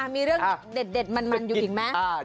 มีเรื่องเด็ดมันอยู่อีกไหม